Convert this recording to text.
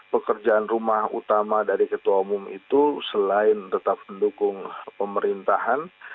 pekerjaan rumah utama dari ketua umum itu selain tetap mendukung pemerintahan